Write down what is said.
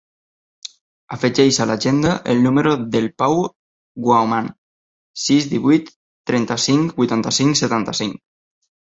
Afegeix a l'agenda el número del Pau Guaman: sis, divuit, trenta-cinc, vuitanta-cinc, setanta-cinc.